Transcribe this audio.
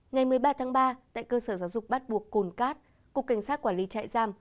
ngày một mươi ba tháng ba tại cơ sở giáo dục bắt buộc cồn cát cục cảnh sát quản lý trại giam